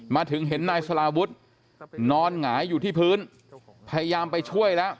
มาถึงเห็นนายสลาวุฒินอนหงายอยู่ที่พื้นพยายามไปช่วยแล้ว